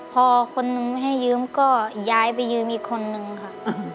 พอคนนึงไม่ให้ยืมก็ย้ายไปยืมอีกคนนึงค่ะ